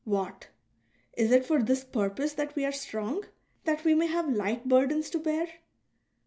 '' What.'' Is it for this purpose that we are strong, — that we may have light burdens to bear